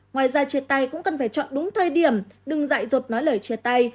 ngoài ra chia tay cũng cần phải chọn đúng thời điểm đừng dạy dột nói lời chia tay